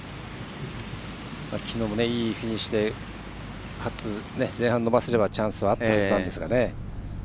きのうもいいフィニッシュでかつ前半、伸ばせればチャンスはあったはずなんですが。